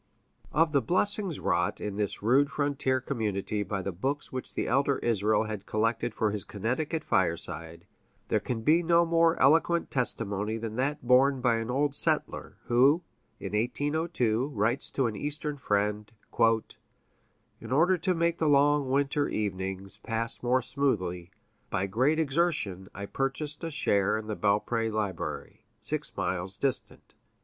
Of the blessings wrought in this rude frontier community by the books which the elder Israel had collected for his Connecticut fireside, there can be no more eloquent testimony than that borne by an old settler, who, in 1802, writes to an Eastern friend: "In order to make the long winter evenings pass more smoothly, by great exertion I purchased a share in the Belpré library, six miles distant.